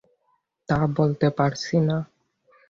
তা বলতে পারছি না।